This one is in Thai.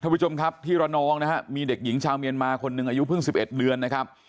ผู้ชมครับที่ระนองนะฮะมีเด็กหญิงชาวเมียนมาคนหนึ่งอายุเพิ่ง๑๑เดือนนะครับ